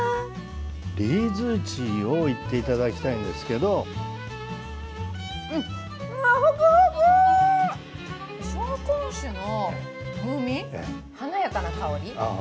リーズーチィをいっていただきたいんですけど紹興酒の風味、華やかな香り。